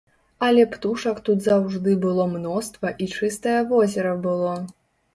Але птушак тут заўжды было мноства і чыстае возера было.